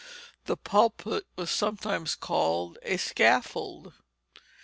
The pulpit was sometimes called a scaffold.